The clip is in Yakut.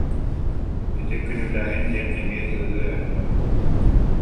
Ити күнүүлээһин диэн эмиэ ыарыы ээ